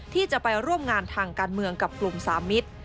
ที่จะไปร่วมงานทางการเมืองกับกลุ่มสามิตร